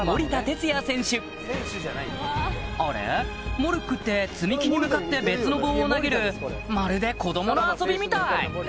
モルックって積み木に向かって別の棒を投げるまるで子供の遊びみたい！